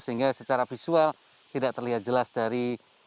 sehingga secara visual tidak terlihat jelas dari